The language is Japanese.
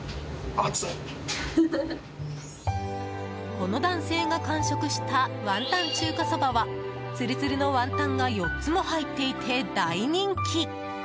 この男性が完食した雲呑中華そばはツルツルのワンタンが４つも入っていて大人気。